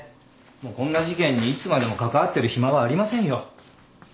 もうこんな事件にいつまでもかかわってる暇はありませんよ。